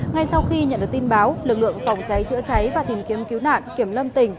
ngay sau khi nhận được tin báo lực lượng phòng cháy chữa cháy và tìm kiếm cứu nạn kiểm lâm tỉnh